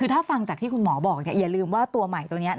คือถ้าฟังจากที่คุณหมอบอกเนี่ยอย่าลืมว่าตัวใหม่ตัวนี้